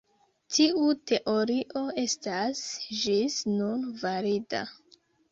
Tiu teorio estas ĝis nun valida.